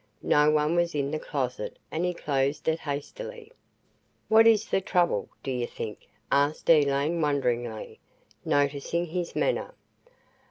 No one was in the closet and he closed it hastily. "What is the trouble, do you think?" asked Elaine wonderingly, noticing his manner.